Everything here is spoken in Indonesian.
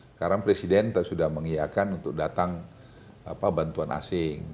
sekarang presiden sudah mengiakan untuk datang bantuan asing